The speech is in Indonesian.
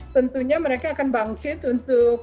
tentunya mereka akan bangkit untuk